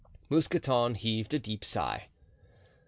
Mousqueton heaved a deep sigh.